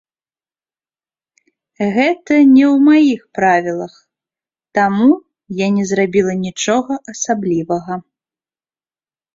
Гэта не ў маіх правілах, таму я не зрабіла нічога асаблівага.